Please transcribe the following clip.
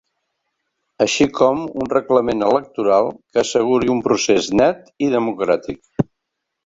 Així com un reglament electoral que asseguri un procés ‘net’ i ‘democràtic’.